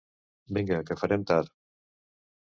Vinga, que farem tard.